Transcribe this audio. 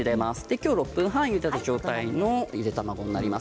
きょう、６分半ゆでた状態のゆで卵です。